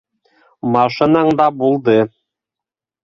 Машинаң да булды.